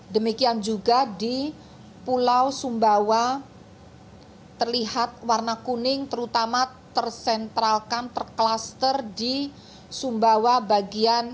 demikian juga di pulau sumbawa terlihat warna kuning terutama tersentralkan terkluster di sumbawa bagian barat laut dan barat